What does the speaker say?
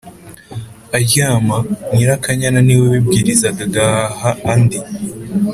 aryama. Nyirakanyana ni we wibwirizaga agahaha andi